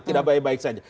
tidak baik baik saja